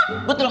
ya udah keluar